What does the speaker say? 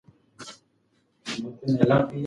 خدیجې غوښتل چې خپله لور له سړې هوا څخه وژغوري.